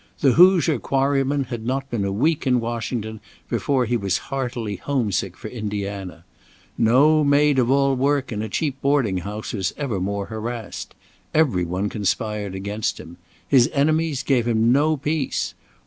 The Hoosier Quarryman had not been a week in Washington before he was heartily home sick for Indiana. No maid of all work in a cheap boarding house was ever more harassed. Everyone conspired against him. His enemies gave him no peace.